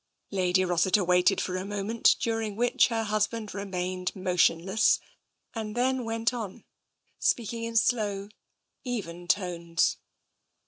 '* Lady Rossiter waited for a moment, during which hjsr husband remained motionless, and then went on speaking in slow, even tones.